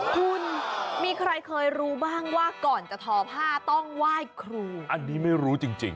คุณมีใครเคยรู้บ้างว่าก่อนจะทอผ้าต้องไหว้ครูอันนี้ไม่รู้จริง